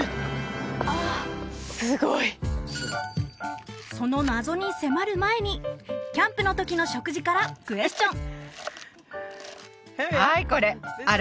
ああすごいその謎に迫る前にキャンプの時の食事からクエスチョン！